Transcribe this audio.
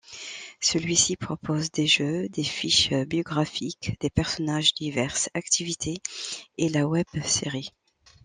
Celui-ci propose des jeux, des fiches biographiques des personnages, diverses activités et la web-série.